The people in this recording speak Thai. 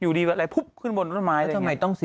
อยู่ดีที่อะไรหาขึ้นบนต้นไม้อะไรอย่างงี้